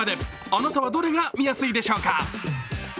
あなたはどれが見やすいでしょうか。